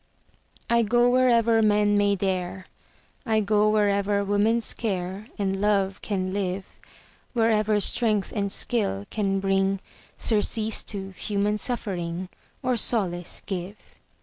I go wherever men may dare, I go wherever woman's care And love can live, Wherever strength and skill can bring Surcease to human suffering, Or solace give.